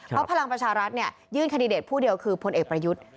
เพราะพลังประชารัฐยื่นคันดิเดตผู้เดียวคือพลเอกประยุทธ์